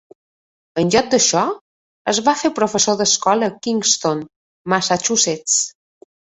En lloc d'això, es va fer professor d'escola a Kingston (Massachusetts).